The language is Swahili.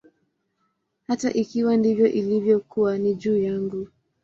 Hata ikiwa ndivyo ilivyokuwa, ni juu yangu.